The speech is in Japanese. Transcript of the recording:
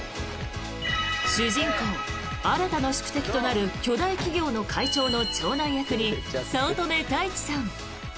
主人公・新の宿敵となる巨大企業の会長の長男役に早乙女太一さん。